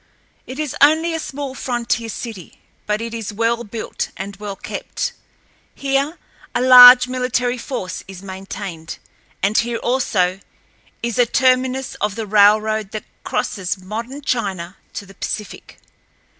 It is only a small frontier city, but it is well built and well kept. Here a large military force is maintained, and here also, is a terminus of the railroad that crosses modern China to the Pacific.